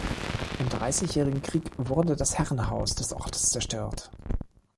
Im Dreißigjährigen Krieg wurde das Herrenhaus des Ortes zerstört.